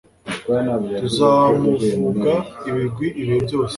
tuzamuvuga ibigwi ibihe byose